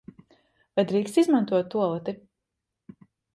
Vai drīkst izmantot tualeti?